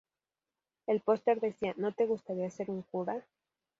El póster decía: ""¿No te gustaría ser un cura?"".